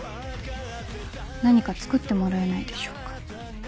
何か作ってもらえないでしょうか？